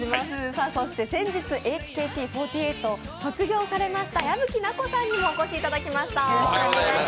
そして先日、ＨＫＴ４８を卒業されました矢吹奈子さんにもお越しいただきました。